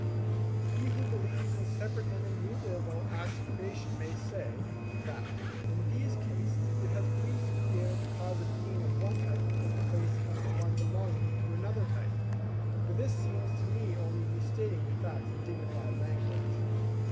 He who believes in separate and innumerable acts of creation may say, that in these cases it has pleased the Creator to cause a being of one type to take the place of one belonging to another type; but this seems to me only restating the fact in dignified language.